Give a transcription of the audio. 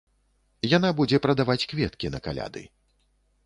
Яна будзе прадаваць кветкі на каляды.